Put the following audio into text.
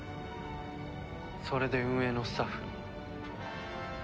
それで運営のスタッフに？